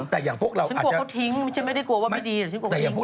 หลักจากเฉิงตูที่มอนเราอ่านข่าวกันอยู่